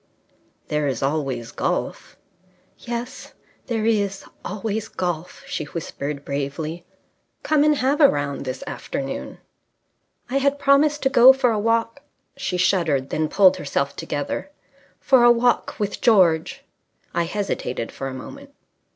"There is always golf." "Yes, there is always golf," she whispered bravely. "Come and have a round this afternoon." "I had promised to go for a walk ..." She shuddered, then pulled herself together. "... for a walk with George." I hesitated for a moment.